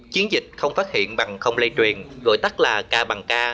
chiến dịch không phát hiện bằng không lây truyền gọi tắt là k bằng k